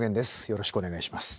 よろしくお願いします。